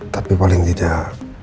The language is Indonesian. tapi paling tidak